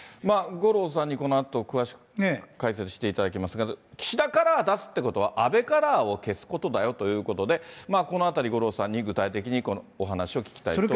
五郎さんにこのあと詳しく解説していただきますが、岸田カラーを出すっていうことは、安倍カラーを消すことだよということで、このあたり、五郎さんに具体的にお話を聞きたいと思います。